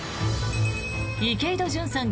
池井戸潤さん